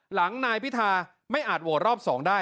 หลังนายพิธาไม่อาจโหดรอบ๒ได้